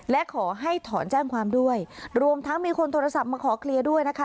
และขอให้ถอนแจ้งความด้วยรวมทั้งมีคนโทรศัพท์มาขอเคลียร์ด้วยนะคะ